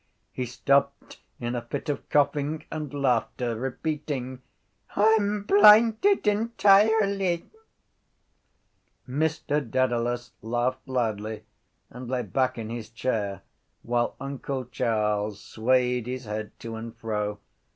_ He stopped in a fit of coughing and laughter, repeating: —_I’m blinded entirely_. Mr Dedalus laughed loudly and lay back in his chair while uncle Charles swayed his head to and fro.